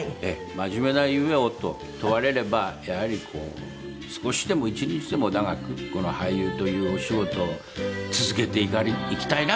「真面目な夢を」と問われればやはり少しでも一日でも長くこの俳優というお仕事を。